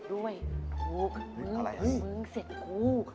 ถูกด้วยถูกถูกถูกมึงเศรษฐ์กู้